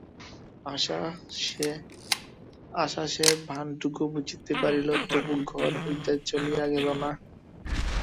আশা সে ভানটুকু বুঝিতে পারিল, তবু ঘর হইতে চলিয়া গেল না।